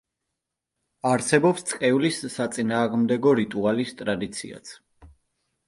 არსებობს წყევლის საწინააღმდეგო რიტუალის ტრადიციაც.